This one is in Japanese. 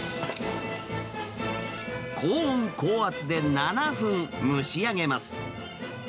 高温高圧で７分蒸し上げます。